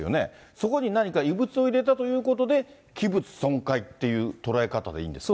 そこに何か異物を入れたということで、器物損壊という捉え方でいいんですか。